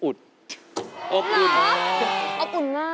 อบอุ่นอบอุ่นมาก